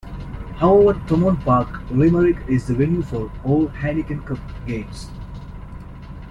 However Thomond Park, Limerick is the venue for all Heineken Cup games.